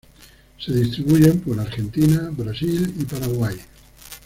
Se distribuyen por Argentina, Brasil y Paraguay.